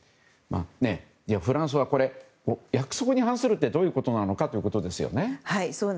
フランスは約束に反するってどういうことなのかってことですよね。